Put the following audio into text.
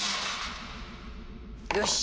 よし。